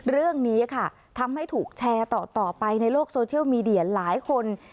เรื่องนี้ค่ะทำให้ถูกแชร์ต่อไปในโลกโซเชียลมีเดียหลายคน